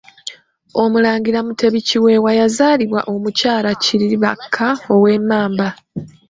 Omulangira Mutebi Kiweewa yazaalibwa Omukyala Kiribakka ow'Emmamba.